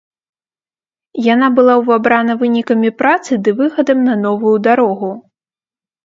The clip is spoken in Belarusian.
Яна была ўвабрана вынікамі працы ды выхадам на новую дарогу.